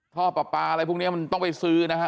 ท่อปลาปลาอะไรพวกนี้มันต้องไปซื้อนะฮะ